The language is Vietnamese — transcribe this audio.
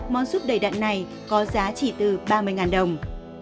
món súp đầy đặn này có giá chỉ từ ba mươi đồng